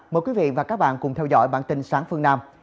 mời quý vị và các bạn cùng theo dõi bản tin sáng phương nam